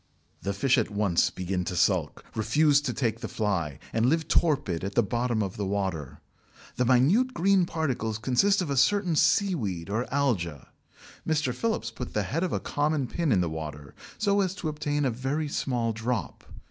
The fish at once begin to sulk, refuse to take the fly, and live torpid at the bottom of the water. The minute green particles consist of a certain seaweed or alga. Mr. Phillips put the head of a common pin in the water so as to obtain a very small drop.